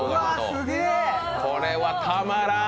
これはたまらん。